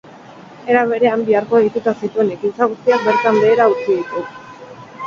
Era berean, biharko deituta zituen ekintza guztiak bertan behera utzi ditu.